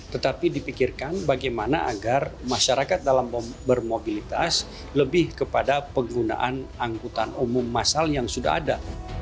tetapi dipikirkan bagaimana agar masyarakat dalam bermobilitas lebih kepada penggunaan angkutan umum masal yang sudah ada